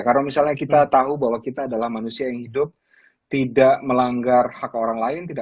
karena misalnya kita tahu bahwa kita adalah manusia yang hidup tidak melanggar hak orang lain